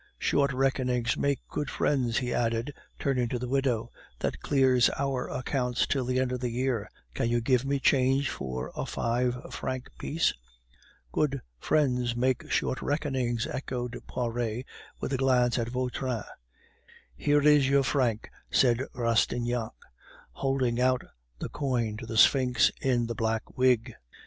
"Short reckonings make good friends" he added, turning to the widow; "that clears our accounts till the end of the year. Can you give me change for a five franc piece?" "Good friends make short reckonings," echoed Poiret, with a glance at Vautrin. "Here is your franc," said Rastignac, holding out the coin to the sphinx in the black wig.